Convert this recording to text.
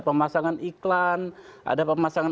pemasangan iklan ada pemasangan